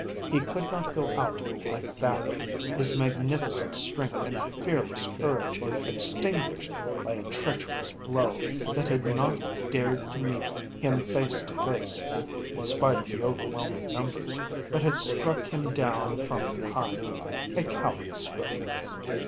He could not go out like that, his magnificent strength and fearless courage extinguished by a treacherous blow that had not dared to meet him face to face in spite of the overwhelming numbers but had struck him down from behind, a coward stroke.